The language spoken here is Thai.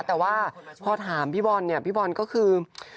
แต่ว่าพอถามพี่บอลเนี่ยพี่บอลก็คือ